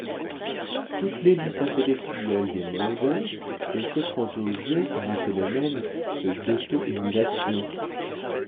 Toute l'élite intellectuelle des mondains se prend au jeu par un phénomène d'auto-émulation.